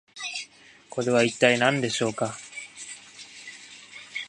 これは一体何でしょうか？